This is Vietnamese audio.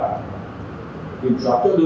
kiểm soát cho được những cái đối tượng